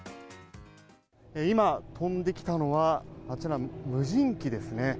今、飛んできたのは、あちら、無人機ですね。